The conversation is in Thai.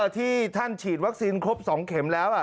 ที่ท่านฉีดวัคซีนครบ๒เข็มแล้ว